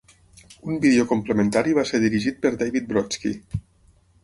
Un vídeo complementari va ser dirigit per David Brodsky.